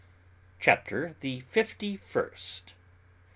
CHAPTER THE FIFTY FIRST.